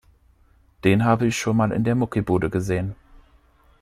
Den habe ich schon mal in der Muckibude gesehen.